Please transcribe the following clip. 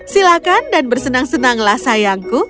silakan dan bersenang senanglah sayangku